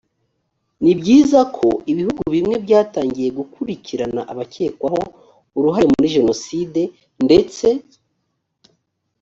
ni byiza ko ibihugu bimwe byatangiye gukurikirana abakekwaho uruhare muri jenoside ndetse